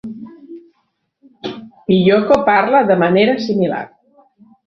Piyoko parla de manera similar.